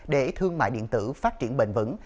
để thương mại điện tử phát triển bền vững